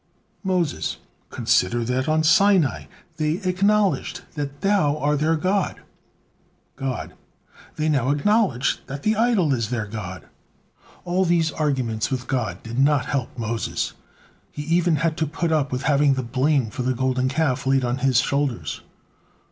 Moses: "Consider that on Sinai they acknowledged that Thou are their God." God: "They now acknowledge that the idol is their god." All these arguments with God did not help Moses; he even had to put up with having the blame for the Golden Calf laid on his shoulders.